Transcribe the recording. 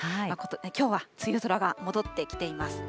きょうは梅雨空が戻ってきています。